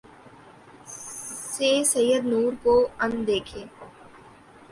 سے سید نور کو ان دیکھے